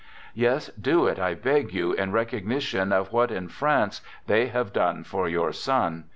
Yes, do it, I beg you, in recognition r of what in France they have done for your son